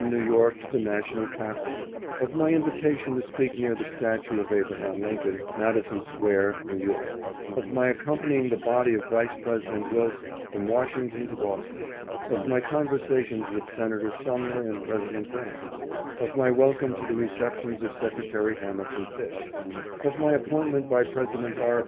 495 New York to the national capital ; of my invitation to speak near the statue of Abraham Lincoln, Madison Square, New York; of my accompanying the body of Vice President Wilson from Washington to Boston; of my conversations with Senator Sumner and President Grant ; of my welcome to the receptions of Secretary Hamilton Fish; of my appointment by President R.